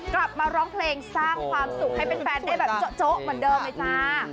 กลับมาร้องเพลงสร้างความสุขให้แฟนได้แบบโจ๊ะเหมือนเดิมเลยจ้า